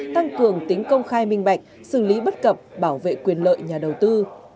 tăng cường tính công khai minh bạch xử lý bất cập bảo vệ quyền lợi nhà đầu tư